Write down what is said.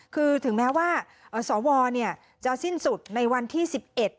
คือถึงแม้ว่าเอ่อสอวรเนี่ยจะสิ้นสุดในวันที่สิบเอ็ด